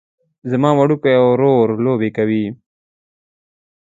زما وړوکی ورور لوبې کوي